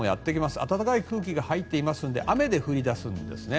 暖かい空気が入っていますので雨で降り出すんですね。